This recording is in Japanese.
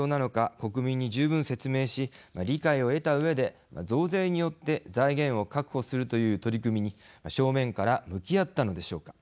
国民に十分説明し理解を得たうえで増税によって財源を確保するという取り組みに正面から向き合ったのでしょうか。